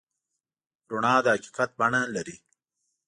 رڼا د حقیقت بڼه لري.